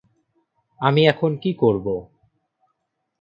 আমি এখন কী করবো?